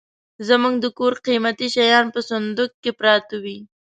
زموږ د کور قيمتي شيان په صندوخ کي پراته وي.